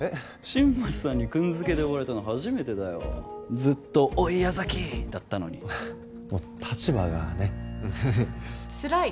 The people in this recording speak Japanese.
新町さんにくん付けで呼ばれたの初めてだよずっと「おい矢崎」だったのにもう立場がねっつらい？